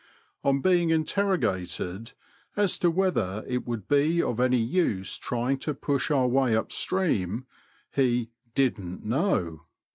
On being interro gated as to whether it would be of any use trying to push our way up stream, he "didn't know."